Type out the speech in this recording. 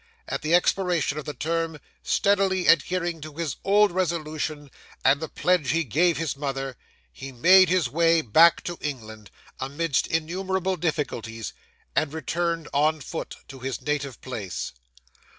At the expiration of the term, steadily adhering to his old resolution and the pledge he gave his mother, he made his way back to England amidst innumerable difficulties, and returned, on foot, to his native place.